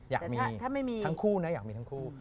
อยากมีทั้งคู่นะอยากมีทั้งคู่